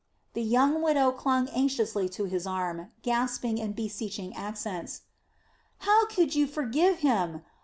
The young widow clung anxiously to his arm, gasping in beseeching accents: "How could you forgive him?